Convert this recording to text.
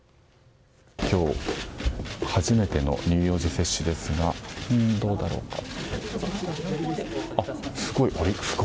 今日、初めての乳幼児接種ですがどうだろうか。